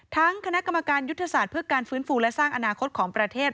คณะกรรมการยุทธศาสตร์เพื่อการฟื้นฟูและสร้างอนาคตของประเทศ